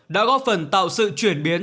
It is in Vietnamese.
đã góp phần tạo sự chuyển biến